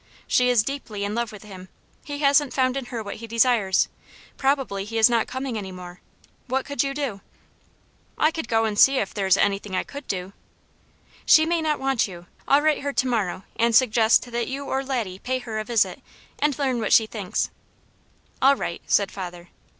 "She is deeply in love with him; he hasn't found in her what he desires; probably he is not coming any more; what could you do?" "I could go and see if there is anything I could do?" "She may not want you. I'll write her to morrow and suggest that you or Laddie pay her a visit and learn what she thinks." "All right," said father.